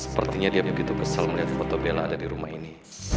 sepertinya dia begitu kesal melihat foto bella ada di rumah ini